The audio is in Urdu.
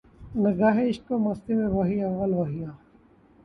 نگاہ عشق و مستی میں وہی اول وہی آخر